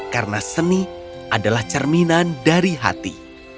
karena seni adalah cerminan dari hati